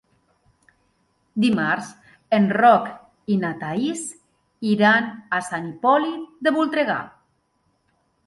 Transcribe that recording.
Dimarts en Roc i na Thaís iran a Sant Hipòlit de Voltregà.